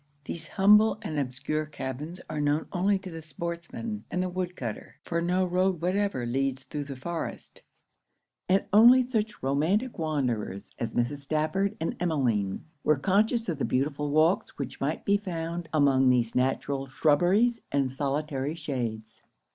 These humble and obscure cabbins are known only to the sportsman and the woodcutter; for no road whatever leads through the forest: and only such romantic wanderers as Mrs. Stafford and Emmeline, were conscious of the beautiful walks which might be found among these natural shrubberies and solitary shades.